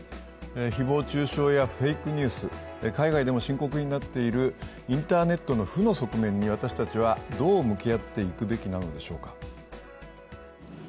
誹謗中傷やフェイクニュース、海外でも深刻になっているインターネットの負の側面に、私たちはどう向き合っていくべきなのでしょうか。